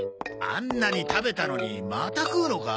あんなに食べたのにまた食うのか？